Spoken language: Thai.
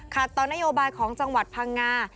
ต่อนโยบายของจังหวัดพังงา